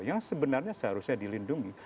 yang sebenarnya seharusnya dilindungi